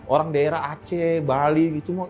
orang daerah aceh bali gitu